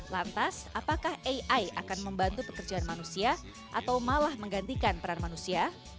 lantas apakah ai akan membantu pekerjaan manusia atau malah menggantikan peran manusia